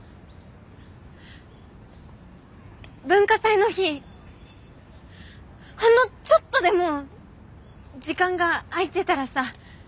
文化祭の日ほんのちょっとでも時間が空いてたらさ。